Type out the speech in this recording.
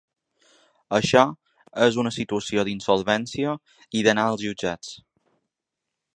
Això és una situació d’insolvència i d’anar als jutjats.